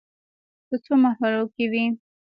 په څو مرحلو کې وې.